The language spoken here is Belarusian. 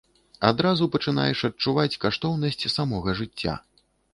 Адразу пачынаеш адчуваць каштоўнасць самога жыцця.